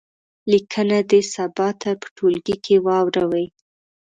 لیکنه دې سبا ته په ټولګي کې واوروي.